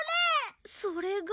それが。